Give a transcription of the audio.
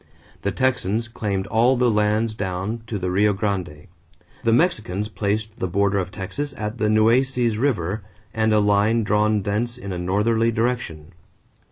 The Texans claimed all the lands down to the Rio Grande. The Mexicans placed the border of Texas at the Nueces River and a line drawn thence in a northerly direction.